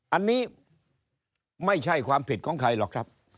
อันนี้ไม่ใช่ความผิดของใครหรอกครับ